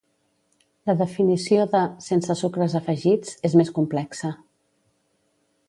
La definició de “sense sucres afegits” és més complexa.